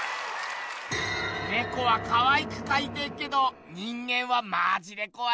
ネコはかわいくかいてっけど人間はマジでこわいな。